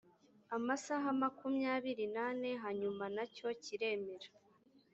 amasaha makumyabiri n ane hanyuma nacyo kiremera